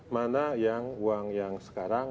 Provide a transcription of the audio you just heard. mana yang uang yang sekarang mana yang sekarang